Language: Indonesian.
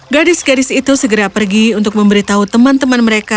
gadis gadis itu segera pergi untuk memberitahu teman teman mereka